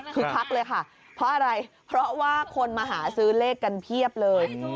คือคักเลยค่ะเพราะอะไรเพราะว่าคนมาหาซื้อเลขกันเพียบเลย